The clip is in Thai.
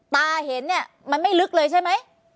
ตาเห็นเนี่ยมันไม่ลึกเลยใช่ไหม